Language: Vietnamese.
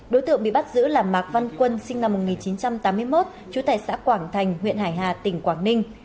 đối tượng bị bắt giữ là mạc văn quân sinh năm một nghìn chín trăm tám mươi một trú tại xã quảng thành huyện hải hà tỉnh quảng ninh